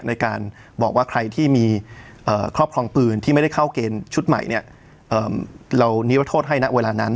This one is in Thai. ในการบอกว่าใครที่มีครอบครองปืนที่ไม่ได้เข้าเกณฑ์ชุดใหม่เนี่ยเรานิรโทษให้นะเวลานั้น